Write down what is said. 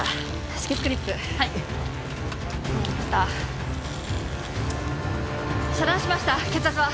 止血クリップはいもらいました遮断しました血圧は？